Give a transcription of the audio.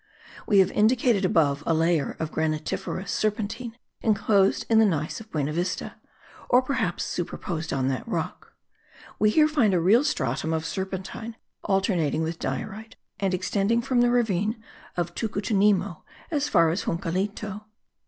We have indicated above a layer of granitiferous serpentine inclosed in the gneiss of Buenavista, or perhaps superposed on that rock; we here find a real stratum of serpentine alternating with diorite, and extending from the ravine of Tucutunemo as far as Juncalito.